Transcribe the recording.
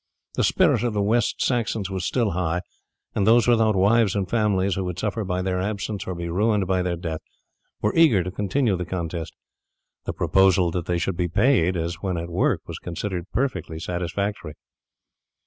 The spirit of the West Saxons was still high, and those without wives and families who would suffer by their absence or be ruined by their death were eager to continue the contest. The proposal that they should be paid as when at work was considered perfectly satisfactory.